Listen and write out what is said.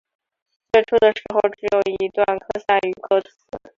在最初的时候只有一段科萨语歌词。